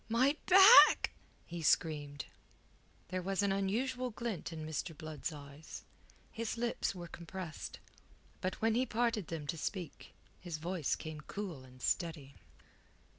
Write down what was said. "My back!" he screamed. There was an unusual glint in Mr. Blood's eyes; his lips were compressed. But when he parted them to speak, his voice came cool and steady.